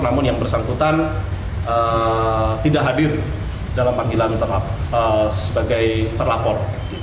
namun yang bersangkutan tidak hadir dalam panggilan sebagai terlapor